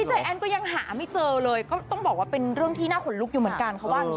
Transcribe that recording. จ้ายแอ้นก็ยังหาไม่เจอเลยก็ต้องบอกว่าเป็นเรื่องที่หน้าขนลุกอยู่เหมือนกัน